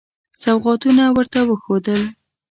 سوغاتونه ورته وښودل.